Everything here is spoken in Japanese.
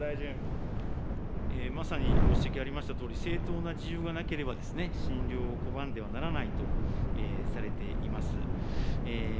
まさにご指摘ありましたとおり、正統な事由がなければ、診療を拒んではならないとされています。